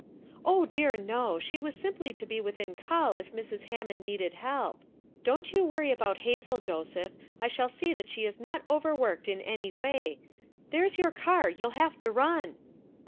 '' "0 dear, no! she was simply to be within call if Mrs. Hammond needed help ; don 't you worry about Hazel, Joseph ; I shall see that she is not overworked in any way. There's your car! you'll have to run."